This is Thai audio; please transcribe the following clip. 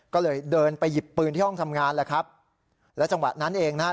ก็เลยเดินไปหยิบปืนที่ห้องทำงานแหละครับแล้วจังหวะนั้นเองนะฮะ